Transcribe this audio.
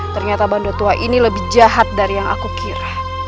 ternyata bandu tua ini lebih jahat dari yang aku kira